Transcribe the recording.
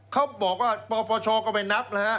เขาบอกว่าปชก็ไปนับ